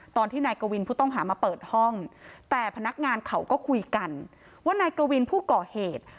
ตอนที่นายกวินผู้ต้องหามาเปิดห้องแต่พนักงานเขาก็คุยกันว่านายกวินผู้ก่อเหตุ